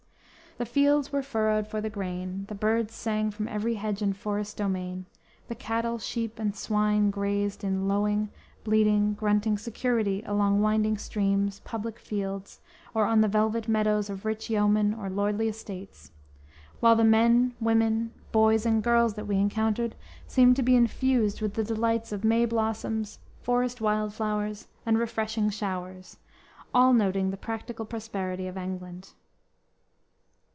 The fields were furrowed for the grain, the birds sang from every hedge and forest domain, the cattle, sheep and swine grazed in lowing, bleating, grunting security along winding streams, public fields or on the velvet meadows of rich yeoman or lordly estates, while the men, women, boys and girls that we encountered seemed to be infused with the delights of May blossoms, forest wild flowers and refreshing showers, all noting the practical prosperity of England.